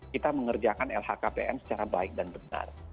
kita mengerjakan lhkpn secara baik dan benar